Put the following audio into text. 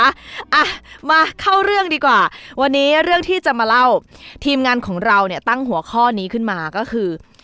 อ่ะมาเข้าเรื่องดีกว่าวันนี้เรื่องที่จะมาเล่าทีมงานของเราเนี่ยตั้งหัวข้อนี้ขึ้นมาก็คือ